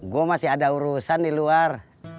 gue masih ada urusan di luar